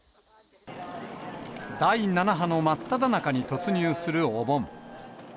第７波の真っただ中に突入するお盆。